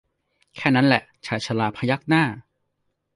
แค่นั้นแหละชายชราพยักหน้า